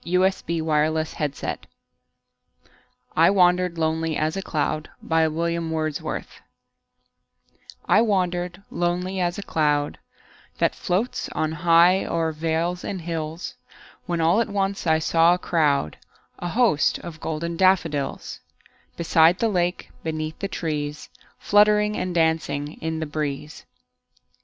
William Wordsworth I Wandered Lonely As a Cloud I WANDERED lonely as a cloud That floats on high o'er vales and hills, When all at once I saw a crowd, A host, of golden daffodils; Beside the lake, beneath the trees, Fluttering and dancing in the breeze.